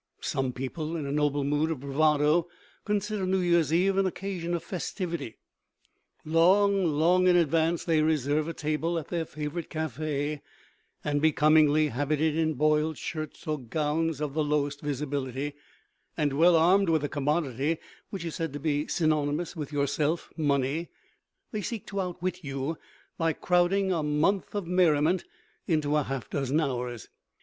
Some people, in a noble mood of bravado, consider New Year's Eve an occasion of festivity. Long, long in advance they reserve a table at their favorite café; and becomingly habited in boiled shirts or gowns of the lowest visibility, and well armed with a commodity which is said to be synonymous with yourself money they seek to outwit you by crowding a month of merriment into half a dozen hours.